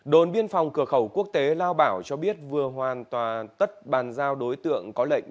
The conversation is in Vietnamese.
đồn biên phòng cửa khẩu quốc tế lao bảo cho biết vừa hoàn toàn tất bàn giao đối tượng có lệnh